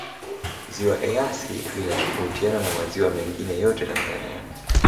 ziwa eyasi linatofautiana na maziwa mengine yote tanzania